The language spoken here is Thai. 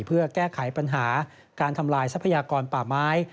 เพื่อแก้ไขปัญหาการทำลายทรัพยากรป่าไม้